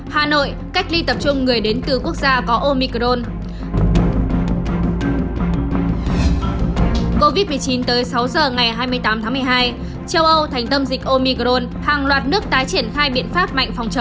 hãy đăng ký kênh để ủng hộ kênh của chúng mình nhé